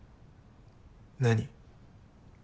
何？